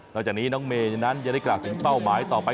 นอกจากนี้น้องเมย์อย่างนั้นจะได้กลับถึงเป้าหมายต่อไป